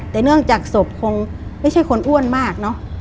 แต่เนื่องจากศพคงไม่ใช่คนอ้วนมากเนอะ